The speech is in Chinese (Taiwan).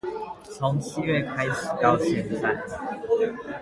所以從七月開始到現在